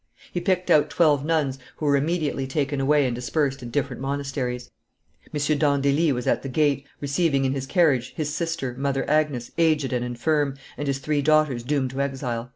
He picked out twelve nuns, who were immediately taken away and dispersed in different monasteries. M. d'Andilly was at the gate, receiving in his carriage his sister, Mother Agnes, aged and infirm, and his three daughters doomed to exile.